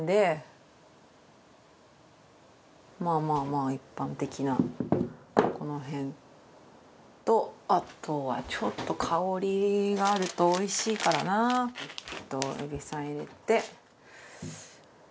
まあまあまあ一般的なこの辺とあとはちょっと香りがあるとおいしいからな海老さん入れて。